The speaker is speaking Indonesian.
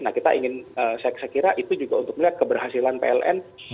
nah kita ingin saya kira itu juga untuk melihat keberhasilan pln